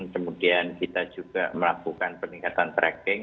kemudian kita juga melakukan peningkatan tracking